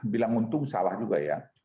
bilang untung salah juga ya